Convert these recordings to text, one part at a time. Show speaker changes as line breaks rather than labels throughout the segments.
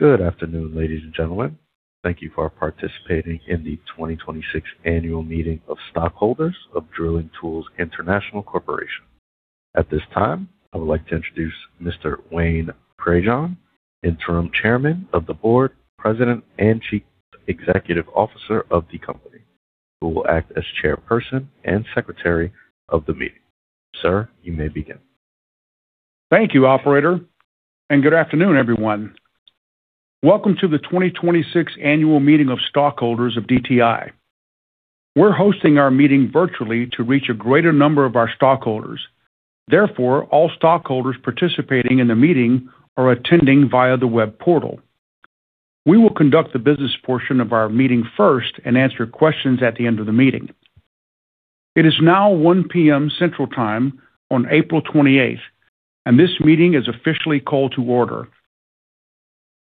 Good afternoon, ladies and gentlemen. Thank you for participating in the 2026 annual meeting of stockholders of Drilling Tools International Corporation. At this time, I would like to introduce Mr. Wayne Prejean, Interim Chairman of the Board, President, and Chief Executive Officer of the company, who will act as Chairperson and Secretary of the meeting. Sir, you may begin.
Thank you, operator, and good afternoon, everyone. Welcome to the 2026 annual meeting of stockholders of DTI. We're hosting our meeting virtually to reach a greater number of our stockholders. Therefore, all stockholders participating in the meeting are attending via the web portal. We will conduct the business portion of our meeting first and answer questions at the end of the meeting. It is now 1:00 P.M. Central Time on April 28, and this meeting is officially called to order.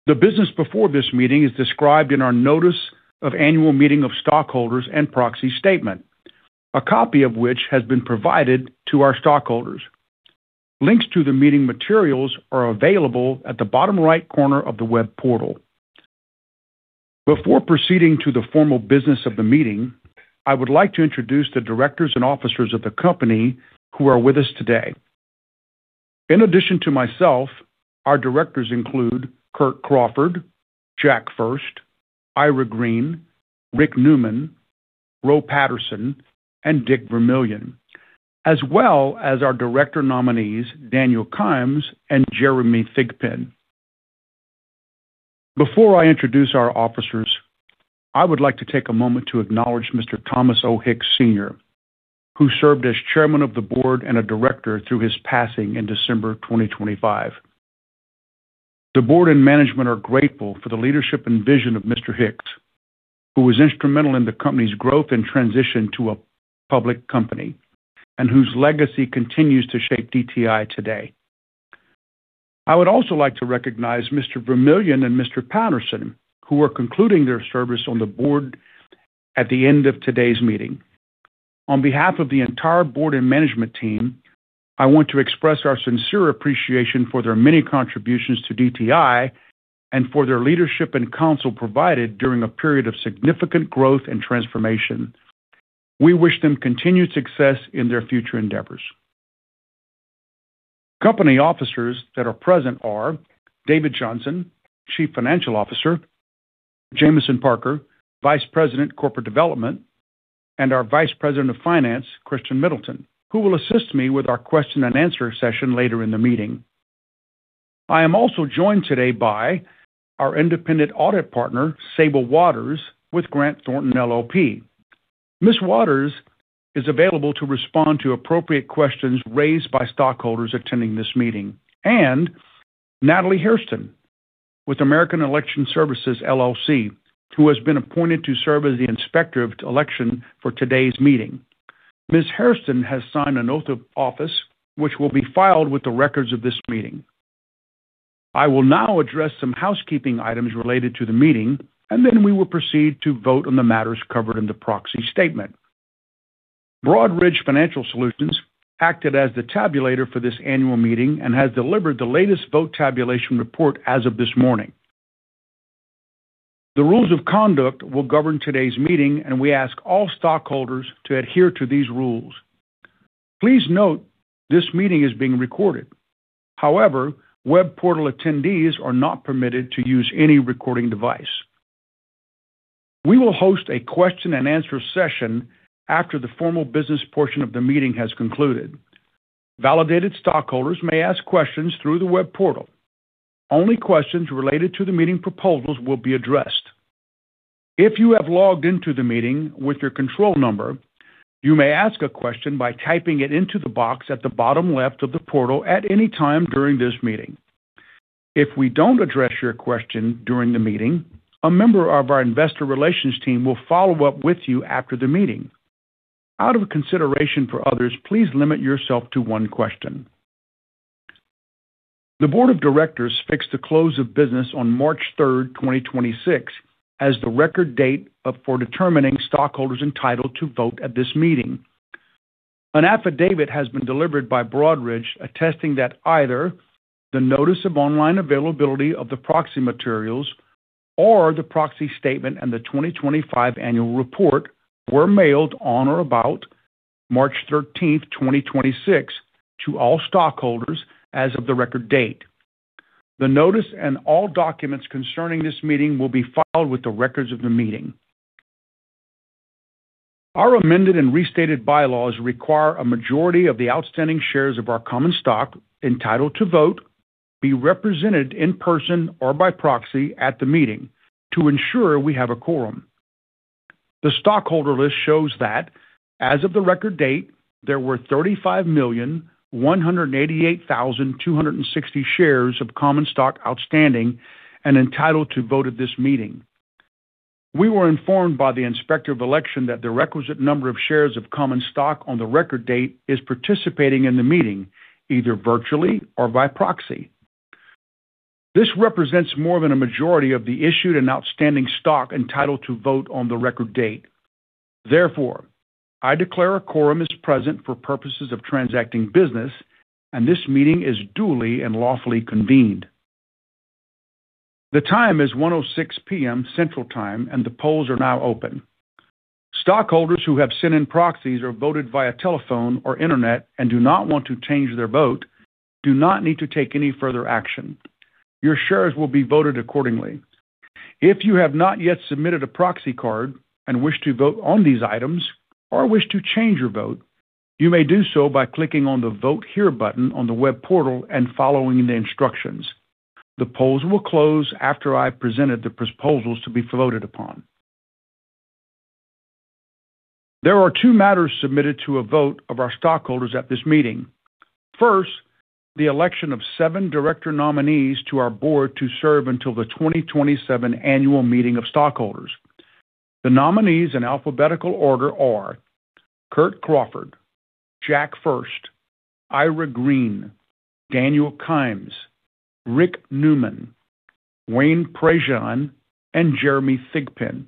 The business before this meeting is described in our notice of annual meeting of stockholders and proxy statement, a copy of which has been provided to our stockholders. Links to the meeting materials are available at the bottom right corner of the web portal. Before proceeding to the formal business of the meeting, I would like to introduce the directors and officers of the company who are with us today. In addition to myself, our Directors include Curt Crofford, Jack Furst, Ira Green, Eric Neuman, Roe Patterson, and Dick Vermillion, as well as our irector nominees, Daniel Kimes and Jeremy Thigpen. Before I introduce our officers, I would like to take a moment to acknowledge Mr. Thomas O. Hicks Sr., who served as Chairman of the Board and a Director through his passing in December 2025. The board and management are grateful for the leadership and vision of Mr. Hicks, who was instrumental in the company's growth and transition to a public company and whose legacy continues to shape DTI today. I would also like to recognize Mr. Vermillion and Mr. Patterson, who are concluding their service on the board at the end of today's meeting. On behalf of the entire board and management team, I want to express our sincere appreciation for their many contributions to DTI and for their leadership and counsel provided during a period of significant growth and transformation. We wish them continued success in their future endeavors. Company officers that are present are David Johnson, Chief Financial Officer, Jameson Parker, Vice President, Corporate Development, and our Vice President of Finance, Christian Middleton, who will assist me with our question and answer session later in the meeting. I am also joined today by our Independent Audit Partner, Sable Waters, with Grant Thornton LLP. Ms. Waters is available to respond to appropriate questions raised by stockholders attending this meeting. Natalie Hairston with American Election Services, LLC, who has been appointed to serve as the Inspector of Election for today's meeting. Ms. Hairston has signed an oath of office, which will be filed with the records of this meeting. I will now address some housekeeping items related to the meeting, then we will proceed to vote on the matters covered in the proxy statement. Broadridge Financial Solutions acted as the tabulator for this annual meeting and has delivered the latest vote tabulation report as of this morning. The rules of conduct will govern today's meeting. We ask all stockholders to adhere to these rules. Please note this meeting is being recorded. However, web portal attendees are not permitted to use any recording device. We will host a question-and-answer session after the formal business portion of the meeting has concluded. Validated stockholders may ask questions through the web portal. Only questions related to the meeting proposals will be addressed. If you have logged into the meeting with your control number, you may ask a question by typing it into the box at the bottom left of the portal at any time during this meeting. If we don't address your question during the meeting, a member of our investor relations team will follow up with you after the meeting. Out of consideration for others, please limit yourself to one question. The board of directors fixed the close of business on March 3rd, 2026, as the record date for determining stockholders entitled to vote at this meeting. An affidavit has been delivered by Broadridge attesting that either the notice of online availability of the proxy materials or the proxy statement and the 2025 annual report were mailed on or about March 13th, 2026, to all stockholders as of the record date. The notice and all documents concerning this meeting will be filed with the records of the meeting. Our amended and restated bylaws require a majority of the outstanding shares of our common stock entitled to vote, be represented in person or by proxy at the meeting to ensure we have a quorum. The stockholder list shows that as of the record date, there were 35,188,260 shares of common stock outstanding and entitled to vote at this meeting. We were informed by the Inspector of Election that the requisite number of shares of common stock on the record date is participating in the meeting, either virtually or by proxy. This represents more than a majority of the issued and outstanding stock entitled to vote on the record date. I declare a quorum is present for purposes of transacting business, and this meeting is duly and lawfully convened. The time is 1:06 P.M. Central Time, and the polls are now open. Stockholders who have sent in proxies or voted via telephone or internet and do not want to change their vote do not need to take any further action. Your shares will be voted accordingly. If you have not yet submitted a proxy card and wish to vote on these items or wish to change your vote, you may do so by clicking on the Vote Here button on the web portal and following the instructions. The polls will close after I presented the proposals to be voted upon. There are two matters submitted to a vote of our stockholders at this meeting. First, the election of seven director nominees to our board to serve until the 2027 annual meeting of stockholders. The nominees in alphabetical order are Curt Crofford, Jack Furst, Ira Green, Daniel Kimes, Eric Neuman, Wayne Prejean, and Jeremy Thigpen.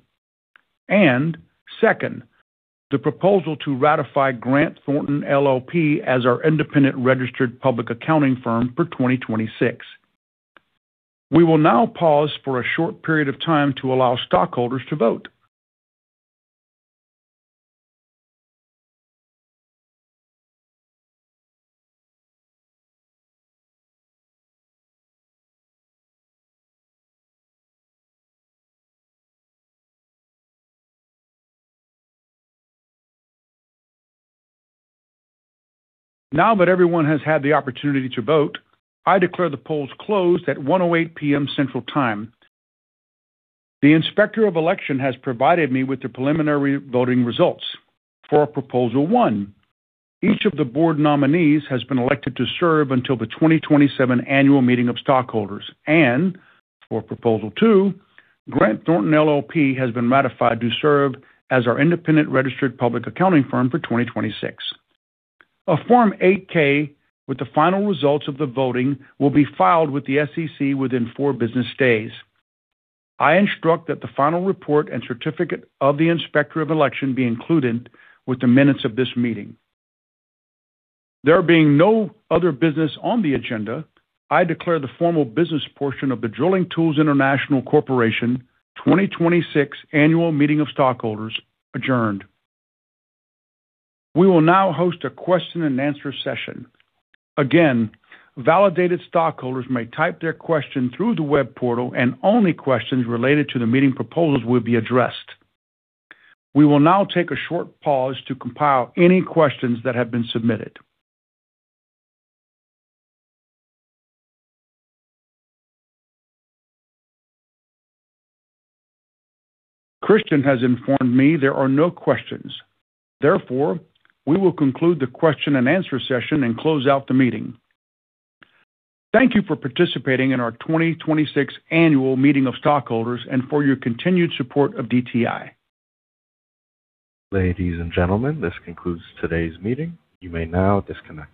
Second, the proposal to ratify Grant Thornton LLP as our independent registered public accounting firm for 2026. We will now pause for a short period of time to allow stockholders to vote. Now that everyone has had the opportunity to vote, I declare the polls closed at 1:08 P.M. Central Time. The Inspector of Election has provided me with the preliminary voting results. For proposal one, each of the board nominees has been elected to serve until the 2027 annual meeting of stockholders. For proposal two, Grant Thornton LLP has been ratified to serve as our independent registered public accounting firm for 2026. A Form 8-K with the final results of the voting will be filed with the SEC within four business days. I instruct that the final report and certificate of the Inspector of Election be included with the minutes of this meeting. There being no other business on the agenda, I declare the formal business portion of the Drilling Tools International Corporation 2026 annual meeting of stockholders adjourned. We will now host a question and answer session. Again, validated stockholders may type their question through the web portal, and only questions related to the meeting proposals will be addressed. We will now take a short pause to compile any questions that have been submitted. Christian has informed me there are no questions. Therefore, we will conclude the question and answer session and close out the meeting. Thank you for participating in our 2026 annual meeting of stockholders and for your continued support of DTI.
Ladies and gentlemen, this concludes today's meeting. You may now disconnect.